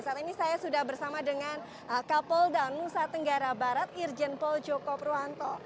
saat ini saya sudah bersama dengan kapolda nusa tenggara barat irjen pol joko purwanto